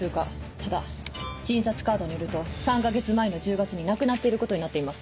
ただ診察カードによると３か月前の１０月に亡くなっていることになっています。